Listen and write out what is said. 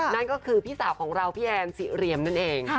นั่นก็คือพี่สาวของเราพี่แอนสิเหลี่ยมนั่นเอง